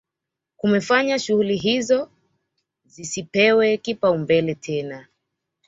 Kumefanya shughuli hizo zisipewe kipaumbele tena